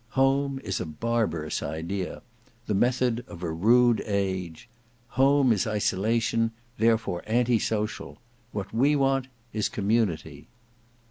Home is a barbarous idea; the method of a rude age; home is isolation; therefore anti social. What we want is Community."